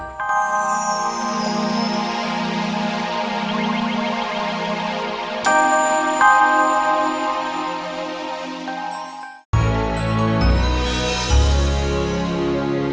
bisa aku emangbsq digunak